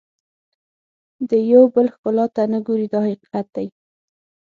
د یو بل ښکلا ته نه ګوري دا حقیقت دی.